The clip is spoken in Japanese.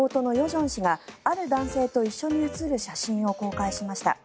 正氏がある男性と一緒に写る写真を公開しました。